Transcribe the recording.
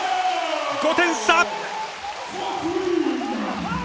５点差！